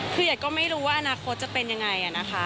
คืออยาก็ไม่รู้ว่าอนาคตจะเป็นอย่างไรนะคะ